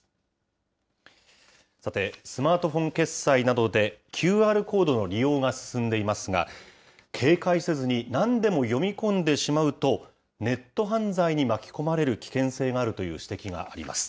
さて、スマートフォン決済などで、ＱＲコードの利用が進んでいますが、警戒せずになんでも読み込んでしまうと、ネット犯罪に巻き込まれる危険性があるという指摘があります。